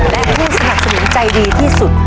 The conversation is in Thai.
และผู้สนับสนุนใจดีที่สุด